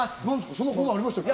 そんなコーナーありましたっけ？